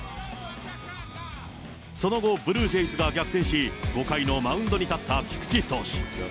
その後、ブルージェイズが逆転し、５回のマウンドに立った菊池投手。